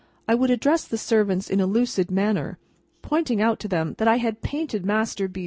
I would address the servants in a lucid manner, pointing out to them that I had painted Master B.